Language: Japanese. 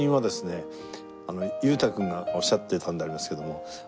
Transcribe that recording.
裕太君がおっしゃってたんですけども